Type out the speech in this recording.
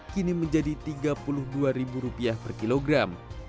kini menjadi tiga puluh dua ribu rupiah per kilogram